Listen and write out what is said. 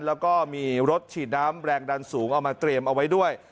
แล้วก็มีรถฉีดน้ำแรงดันสูงเอามาเตรียมเอาไว้ด้วย